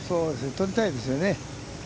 取りたいですよね。